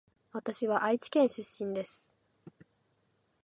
わたしは愛知県出身です